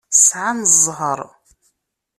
Sɛan ẓẓher.